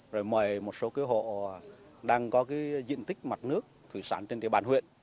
rồi mời một số cái hộ đang có cái diện tích mặt nước thủy sản trên địa bàn huyện